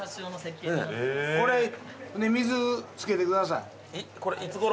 これ水つけてください。